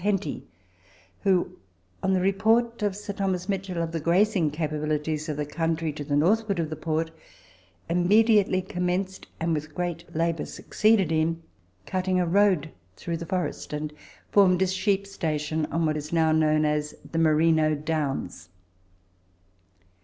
Henty, who, on the report of Sir T. Mitchell of the grazing capabilities of the country to the northward of the port, immediately commenced, and with great labour succeeded in cutting, a road through the forest, and formed a sheep station on what is now known as the " Merino Downs."